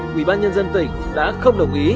quỹ ban nhân dân tỉnh đã không đồng ý